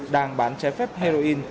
đang bán trái phép heroin